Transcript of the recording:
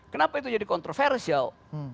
kenapa itu jadi kontroversial